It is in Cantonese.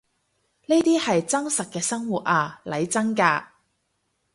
呢啲係真實嘅生活呀，嚟真㗎